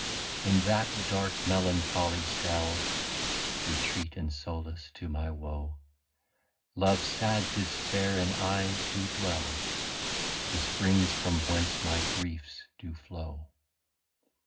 In that dark Melancholy Cell, (Retreate and Sollace to my Woe) Love, sad Dispair, and I, do dwell, The Springs from whence my Griefs do flow.